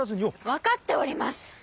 分かっております！